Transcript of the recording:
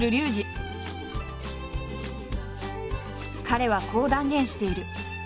彼はこう断言している。